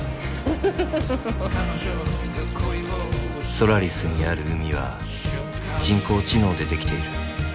［ソラリスにある海は人工知能でできている］